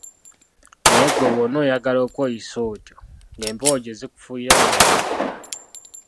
Naye ggwe bw'onooyagala okweyisa otyo ng'empewo gye zifuuyira naawe gy'odda.